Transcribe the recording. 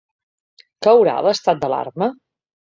Caurà l’estat d’alarma?